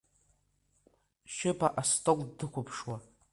Шьыпа астол дықәԥшуа.